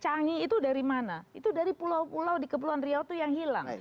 canggih itu dari mana itu dari pulau pulau di kepulauan riau itu yang hilang